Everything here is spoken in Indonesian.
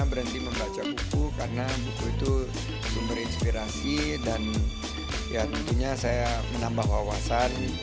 saya berhenti membaca buku karena buku itu sumber inspirasi dan ya tentunya saya menambah wawasan